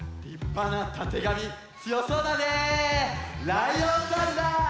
ライオンさんだ！